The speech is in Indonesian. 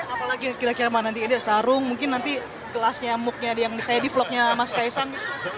apalagi kira kira nanti sarung mungkin nanti gelasnya muknya yang kayak di vlognya mas kaisang